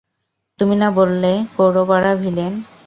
তুমি না বললে কৌরবরা ভিলেন?